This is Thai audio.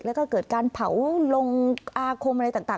แล้วก็เกิดการเผาลงอาคมอะไรต่าง